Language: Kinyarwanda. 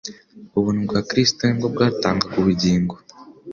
Ubuntu bwa Kristo nibwo bwatangaga ubugingo.